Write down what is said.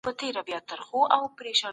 پيغمبر د حق په ادا کولو ټينګار کاوه.